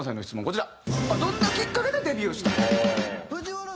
こちら。